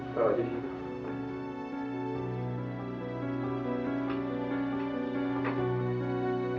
kalau jadi gitu